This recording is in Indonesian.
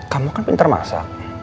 kamu kan pinter masak